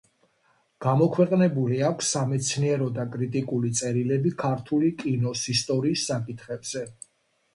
გამოქვეყნებული აქვს სამეცნიერო და კრიტიკული წერილები ქართული კინოს ისტორიის საკითხებზე.